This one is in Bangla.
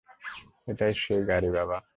এটাই সেই গাড়ি বাবা।